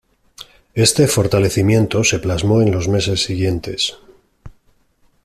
Este fortalecimiento se plasmó en los meses siguientes.